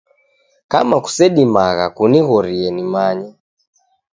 Kama kusedimagha kunighorie nimanye.